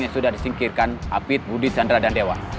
yang sudah disingkirkan apit budi tjenda dandewa